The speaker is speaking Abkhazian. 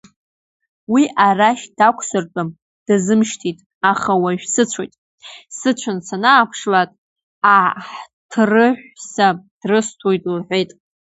Уи арашь дақәсыртәан, дазымшьит, аха уажә сыцәоит, сыцәан санааԥшлакь, аҳҭрыҳәса дрысҭоит, — лҳәеит.